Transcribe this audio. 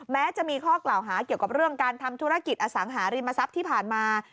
แม้จะมีข้อกล่าวหาเกี่ยวกับเรื่องการทำธุรกิจอสังหาริมทรัพย์ที่ผ่านมา